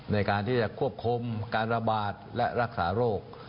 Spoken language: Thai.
ในการที่จะควบคุมการระบาดและรักษาโรค